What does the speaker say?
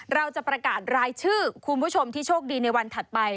เราจะประกาศรายชื่อคุณผู้ชมที่โชคดีในวันถัดไป